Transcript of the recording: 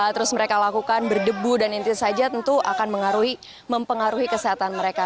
terus mereka lakukan berdebu dan yang lain saja tentu akan mengaruhi mempengaruhi kesehatan mereka